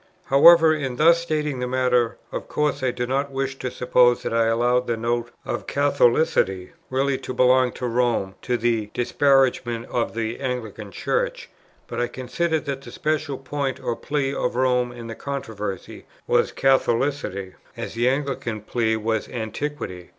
However, in thus stating the matter, of course I do not wish it supposed that I allowed the note of Catholicity really to belong to Rome, to the disparagement of the Anglican Church; but I considered that the special point or plea of Rome in the controversy was Catholicity, as the Anglican plea was Antiquity.